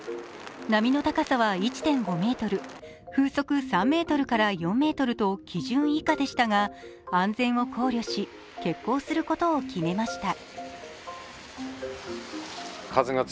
波の高さは１．５ｍ、風速３メートルから４メートルと基準以下でしたが、安全を考慮し、欠航することを決めました。